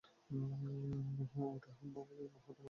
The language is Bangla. ওঠ, এই মোহ তোমার সাজে না।